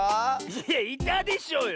いやいたでしょうよ！